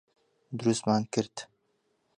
دروستمان کرد.